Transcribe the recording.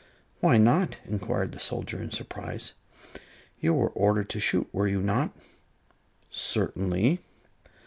"Why not?" inquired the soldier, in surprise. "You were ordered to shoot, were you not?" "Certainly."